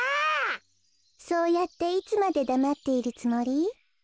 そうやっていつまでだまっているつもり？